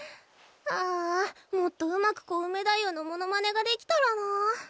ああもっとうまくコウメ太夫のモノマネができたらな。